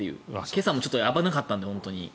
今朝も危なかったんで、本当に。